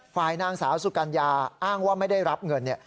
ฝ่ายนางสาวสุกัญญาอ้างว่าไม่ได้รับเงิน